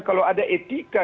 kalau ada etika